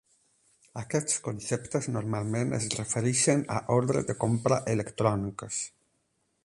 Aquests conceptes normalment es refereixen a "ordres de compra electròniques".